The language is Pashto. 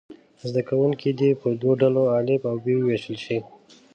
زده کوونکي دې په دوو ډلو الف او ب وویشل شي.